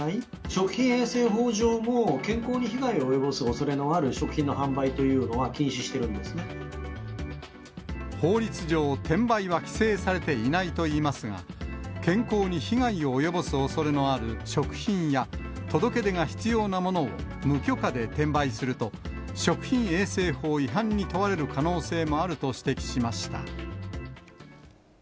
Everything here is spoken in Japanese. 食品衛生法上も健康に被害を及ぼすおそれのある食品の販売という法律上、転売は規制されていないといいますが、健康に被害を及ぼすおそれのある食品や、届け出が必要なものを無許可で転売すると、食品衛生法違反に問われる可能性もあると指摘しました。